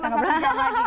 harus nambah satu jam lagi